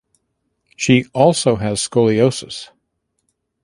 She also has scoliosis.